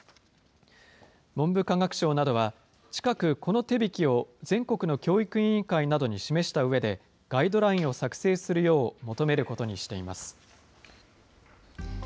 文部科学省などは、近く、この手引きを全国の教育委員会などに示したうえで、ガイドラインを作成するよう求めることにしています。